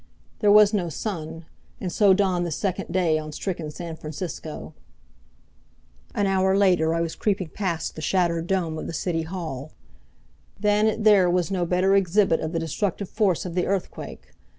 There was no sun. And so dawned the second day on stricken San Francisco. An hour later I was creeping past the shattered dome of the City Hall. Than it there was no better exhibit of the destructive force of the earthquake.